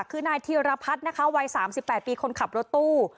คือนายธีรพัฒน์นะคะวัย๓๘ปีคนขับรถตู้